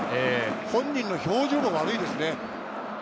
本人の表情も悪いですね。